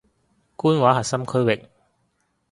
官話核心區域